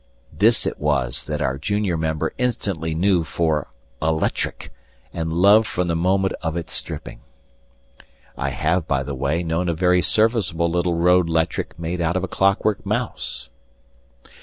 This it was that our junior member instantly knew for a 'lectric, and loved from the moment of its stripping. (I have, by the by, known a very serviceable little road 'lectric made out of a clockwork mouse.)